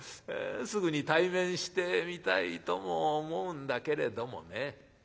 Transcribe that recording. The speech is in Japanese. すぐに対面してみたいとも思うんだけれどもね